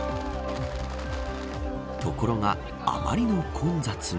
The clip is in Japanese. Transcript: ところが、あまりの混雑に。